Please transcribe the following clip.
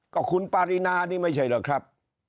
ก็คุณปารีนานี่ไม่ใช่เหรอครับ